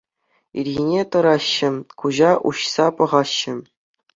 Ирхине тӑраҫҫӗ, куҫа уҫса пӑхаҫҫӗ.